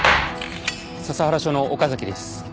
笹原署の岡崎です。